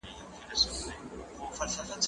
زه به سبا ځواب ليکم!؟